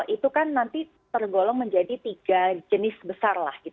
itu kan nanti tergolong menjadi tiga jenis besar lah